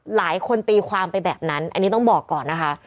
หลายคนตีความไปแบบนั้นอันนี้ต้องบอกก่อนนะคะ